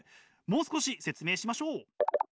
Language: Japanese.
もう少し説明しましょう。